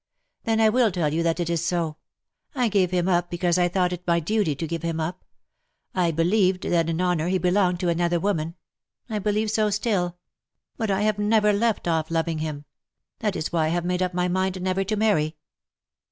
'^ Then I will tell you that it is so. I gave him up because I thought it my duty to give him up. I believed that in honour he belonged to another woman. I believe so still. But I have never left off loving him. That is why I have made up my mind never to marry."